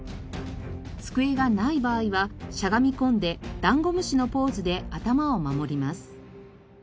机がない場合はしゃがみ込んでダンゴムシのポーズで頭を守ります。